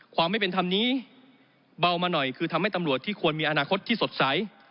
ความไม่เป็นธรรมนี้เบามาหน่อยคือทำให้ตำรวจที่ควรมีอนาคตที่สดใส